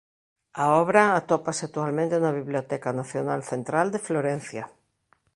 A obra atópase actualmente na Biblioteca Nacional Central de Florencia.